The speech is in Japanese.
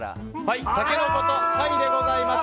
タケノコとタイでございます。